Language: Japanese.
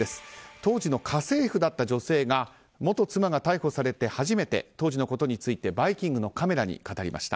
当時の家政婦だった女性が元妻が逮捕されて初めて当時のことについて「バイキング」のカメラに語りました。